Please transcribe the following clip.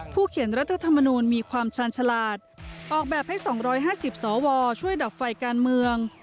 เขียนรัฐธรรมนูลมีความชาญฉลาดออกแบบให้๒๕๐สวช่วยดับไฟการเมือง